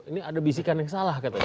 ini ada bisikan yang salah katanya